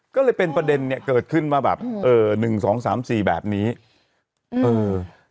ก็เลยเป็นประเด็นเนี้ยเกิดขึ้นมาแบบเอ่อหนึ่งสองสามสี่แบบนี้เออ